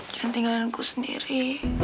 jangan tinggalkan aku sendiri